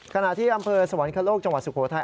ขณะที่อำเภอสวรรคโลกจังหวัดสุโขทัย